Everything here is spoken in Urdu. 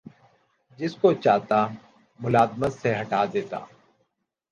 جس کو چاہتا ملازمت سے ہٹا دیتا